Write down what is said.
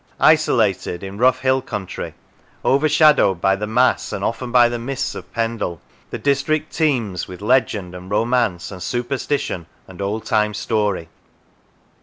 Isolated, in rough hill country, overshadowed by the mass and often by the mists of Pendle, the district teems with legend and romance and superstition and old time story.